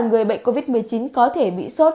người bệnh covid một mươi chín có thể bị sốt